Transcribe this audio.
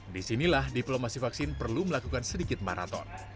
di sinilah diplomasi vaksin perlu melakukan sedikit maraton